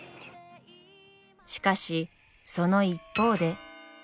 しかしその一方で。